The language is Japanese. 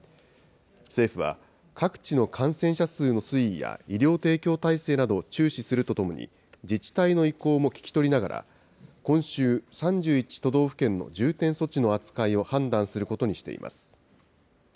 政府は、各地の感染者数の推移や医療提供体制などを注視するとともに、自治体の意向も聞き取りながら、今週、３１都道府県の重点措置の扱いを判断することにしています。